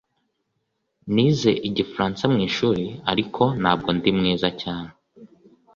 Nize Igifaransa mwishuri ariko ntabwo ndi mwiza cyane